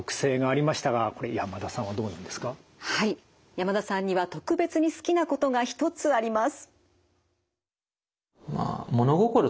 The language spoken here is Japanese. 山田さんには特別に好きなことが一つあります。